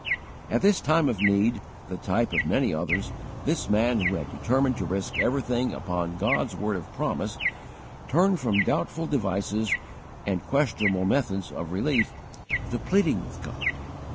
At this time of need the type of many others this man who had determined to risk everything upon God's word of promise, turned from doubtful devices and questionable methods of relief to _pleading with God.